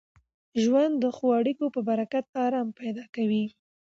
ژوند د ښو اړیکو په برکت ارام پیدا کوي.